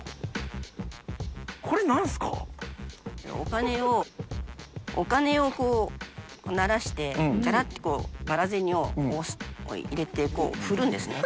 これ、お金を、お金をこう、ならして、ばらっとばら銭をこう入れて、こう振るんですね。